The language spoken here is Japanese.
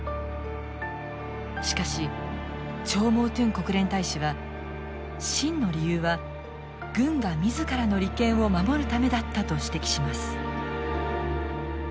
しかしチョー・モー・トゥン国連大使は真の理由は軍が自らの利権を守るためだったと指摘します。